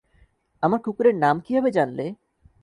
আমার কুকুরের নাম কীভাবে জানলে?